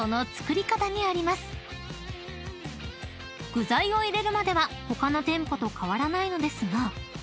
［具材を入れるまでは他の店舗と変わらないのですが］